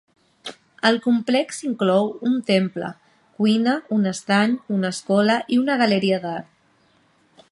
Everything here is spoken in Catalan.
El complex inclou un temple, cuina, un estany, una escola, i una galeria d'art.